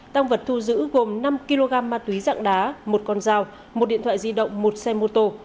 tăng vật thu giữ gồm năm kg ma túy dạng đá một con dao một điện thoại di động một xe mô tô